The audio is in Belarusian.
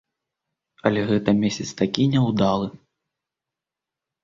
Але гэта месяц такі няўдалы.